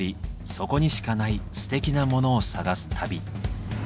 そこにしかないステキなモノを探す旅。